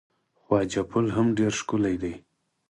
خواجو پل هم ډیر ښکلی دی.